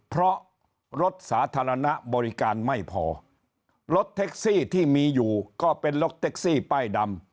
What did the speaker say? เพราะรถสาธารณะบริการไม่พอรถแท็กซี่ที่มีอยู่ก็เป็นรถแท็กซี่ป้ายดำ